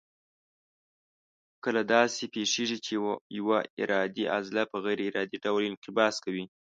کله داسې پېښېږي چې یوه ارادي عضله په غیر ارادي ډول انقباض کوي.